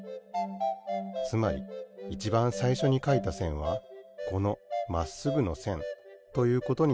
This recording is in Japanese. つまりいちばんさいしょにかいたせんはこのまっすぐのせんということになります。